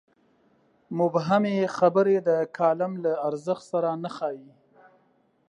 مبهمې خبرې د کالم له ارزښت سره نه ښايي.